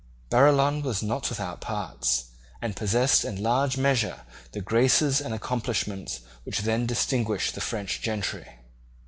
Barillon was not without parts, and possessed in large measure the graces and accomplishments which then distinguished the French gentry.